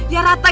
ya rata gitu ya